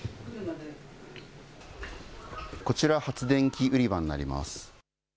こちら、発電機売り場になります。